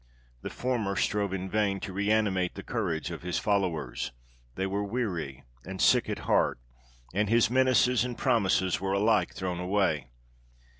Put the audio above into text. The former strove in vain to reanimate the courage of his followers. They were weary and sick at heart, and his menaces and promises were alike thrown away.